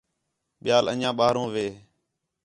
ٻِیال انڄیاں ٻاہرو ہے